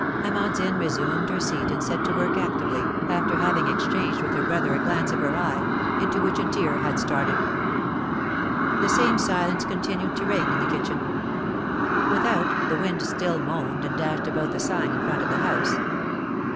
Amandine resumed her seat, and set to work actively, after having exchanged with her brother a glance of her eye, into which a tear had started. The same silence continued to reign in the kitchen. Without, the wind still moaned and dashed about the sign in front of the house.